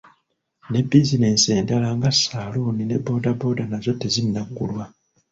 Ne bizinensi endala nga saluuni ne boda boda nazo tezinagulwa.